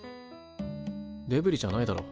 デブリじゃないだろ。